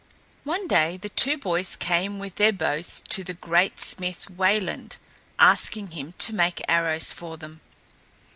One day the two boys came with their bows to the great smith Wayland, asking him to make arrows for them.